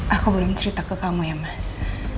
aku belum cerita ke kamu ya mas